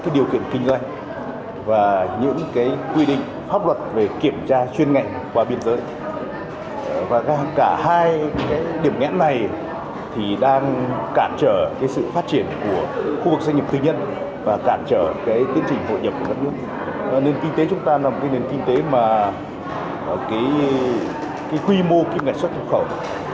tương trình hội nhập của đất nước nền kinh tế chúng ta là nền kinh tế mà quy mô kinh ngạch xuất khẩu